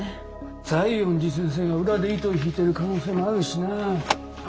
西園寺先生が裏で糸を引いてる可能性もあるしなあ。